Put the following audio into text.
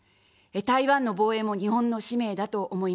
台湾の防衛も日本の使命だと思います。